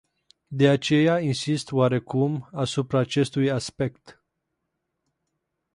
De aceea insist oarecum asupra acestui aspect.